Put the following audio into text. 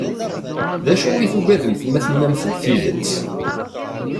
D acu i tugademt ma tennamt-d tidet?